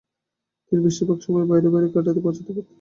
তিনি বেশিরভাগ সময় বাইরে বাইরে কাটাতে পছন্দ করতেন।